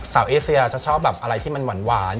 สาวเอเซียจะชอบอะไรที่มันหวาน